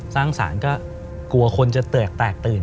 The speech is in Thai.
สร้างสารก็กลัวคนจะแตกแตกตื่น